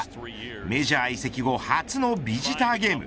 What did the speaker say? メジャー移籍後初のビジターゲーム。